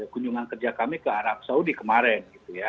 kunjungan kerja kami ke arab saudi kemarin